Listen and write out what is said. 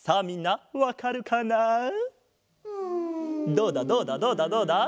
どうだどうだどうだどうだ？